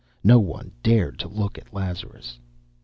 No one dared to look at Lazarus.